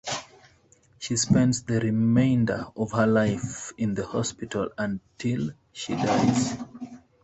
She spends the remainder of her life in the hospital until she dies.